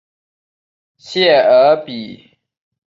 谢尔比。